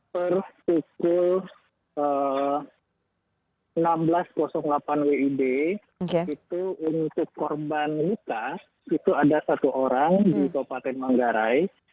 per pukul enam belas delapan wib itu untuk korban luka itu ada satu orang di kabupaten manggarai